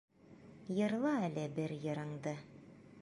Йырла әле бер йырыңды.